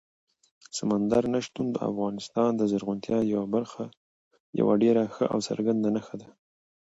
سمندر نه شتون د افغانستان د زرغونتیا یوه ډېره ښه او څرګنده نښه ده.